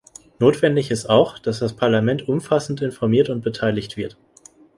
Notwendig ist auch, dass das Parlament umfassend informiert und beteiligt wird.